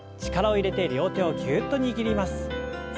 力を入れて両手をぎゅっと握ります。